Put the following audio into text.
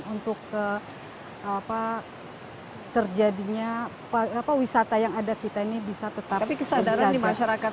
untuk apa terjadinya wisata yang ada kita ini bisa tetapi kesadaran di masyarakat